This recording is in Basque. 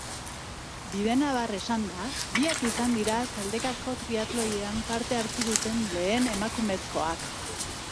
Bidenabar esanda, biak izan dira taldekako triatloiean parte hartu duten lehen emakumezkoak.